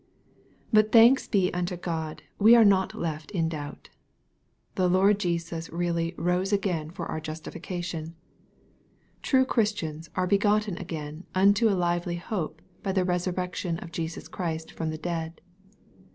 But thanks be unto God, we are not left in doubt. The Lord Jesus really " rose again for our justification." True Christians are " begotten again unto a lively hope by the resurrection of Jesus Christ from the dead."